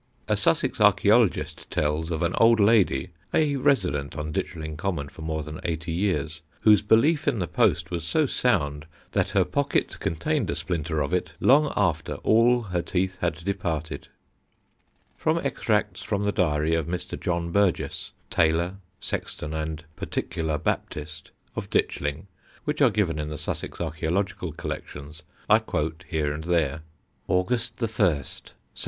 A Sussex archæologist tells of an old lady, a resident on Ditchling Common for more than eighty years, whose belief in the Post was so sound that her pocket contained a splinter of it long after all her teeth had departed. [Sidenote: JOHN BURGESS'S DIARY] From extracts from the diary of Mr. John Burgess, tailor, sexton and Particular Baptist, of Ditchling, which are given in the Sussex Archæological Collections, I quote here and there: "August 1st, 1785.